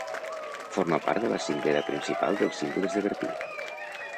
Forma part de la cinglera principal dels Cingles de Bertí.